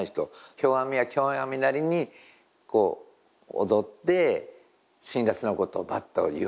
狂阿弥は狂阿弥なりにこう踊って辛辣なことをバッと言うんだよ。